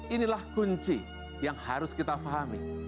inilah kunci yang harus kita fahami